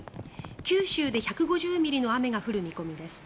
九州で１５０ミリの雨が降る見込みです。